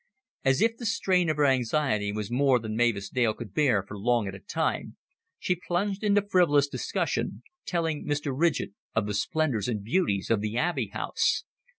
As if the strain of her anxiety was more than Mavis Dale could bear for long at a time, she plunged into frivolous discussion, telling Mr. Ridgett of the splendors and beauties of the Abbey House.